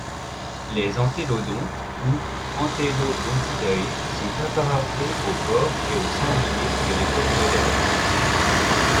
Les entélodontes ou Entelodontidae sont apparentés au porc et au sanglier de l'époque moderne.